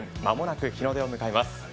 間もなく日の出を迎えます。